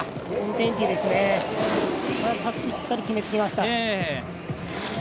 これは着地しっかり決めてきました。